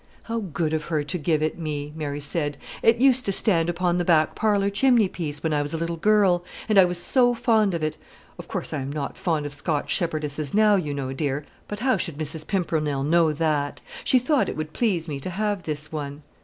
"How good of her to give it me!" Mary said; "it used to stand upon the back parlour chimney piece when I was a little girl; and I was so fond of it. Of course I am not fond of Scotch shepherdesses now, you know, dear; but how should Mrs. Pimpernel know that? She thought it would please me to have this one."